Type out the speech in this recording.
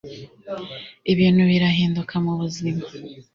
ibintu birahinduka mu buzima